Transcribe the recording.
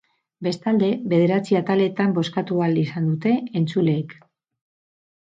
Bestalde, bederatzi ataletan bozkatu ahal izan dute entzuleek.